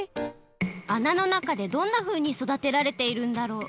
あなの中でどんなふうにそだてられているんだろう？